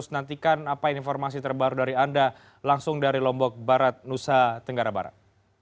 nantikan apa informasi terbaru dari anda langsung dari lombok barat nusa tenggara barat